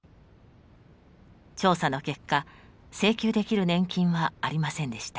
調査の結果請求できる年金はありませんでした。